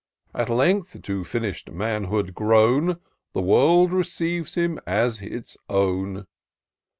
— At length, to finished manhood grown. The world receives him as its own.